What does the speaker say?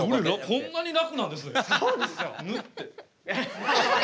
こんなに楽なんですね。